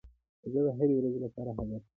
زه د هري ورځي لپاره هدف لرم.